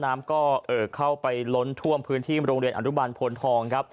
นานี่เข้าไปร้อนท่วมพื้นที่โรงเรียนอัฐุบาลโพนทอง